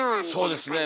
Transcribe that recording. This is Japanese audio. そうですね。